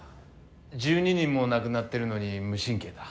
「１２人も亡くなってるのに無神経だ」。